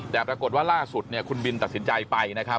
แต่ปรากฏว่าล่าสุดคุณบินตัดสินใจไปนะครับ